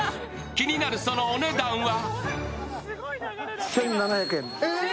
気になるそのお値段は？